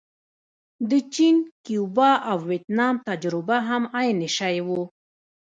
د چین، کیوبا او ویتنام تجربه هم عین شی وه.